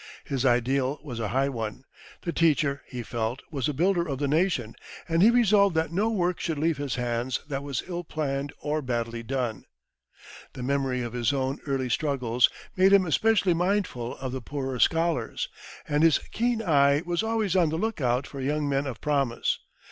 His ideal was a high one. The teacher, he felt, was a builder of the nation, and he resolved that no work should leave his hands that was ill planned or badly done. The memory of his own early struggles made him especially mindful of the poorer scholars, and his keen eye was always on the look out for young men of promise.